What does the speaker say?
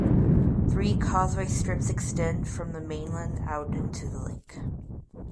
Three causeway strips extend from the mainland out into the lake.